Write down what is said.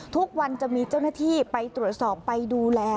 ทุกวันจะมีเจ้าหน้าที่ไปตรวจสอบไปดูแล